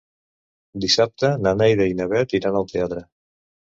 Dissabte na Neida i na Bet iran al teatre.